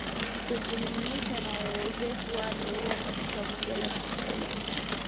Kujumlisha na uzoefu wake huo katika Bunge la Katiba